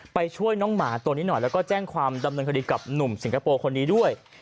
ไปช่วยน้องหมาตัวนี้หน่อยแล้วก็แจ้งความดำเนินคดีกับหนุ่มสิงคโปร์คนนี้ด้วย